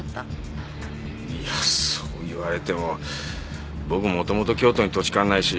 いやそう言われても僕もともと京都に土地勘ないし。